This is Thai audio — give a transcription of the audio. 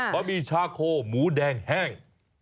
ะหมี่ชาโคหมูแดงแห้ง